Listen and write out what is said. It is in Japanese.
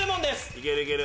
いけるいける。